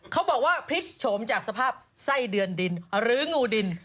เขาบอกว่าพลิกโฉมจากสภาพไส้เดือนดินหรืองูดิน